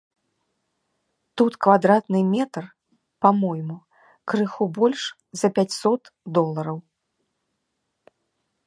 Тут квадратны метр, па-мойму, крыху больш за пяцьсот долараў.